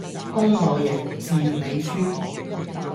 公我贏,字你輸